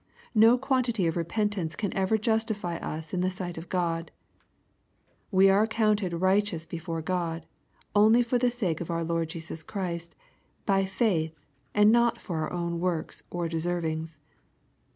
No quantity of repentance can ever justify us in the sight cf God. " We are accounted righteous before God, only for the sake of our Lord Jesus Christ, by faith, and not for uur own works or deservings."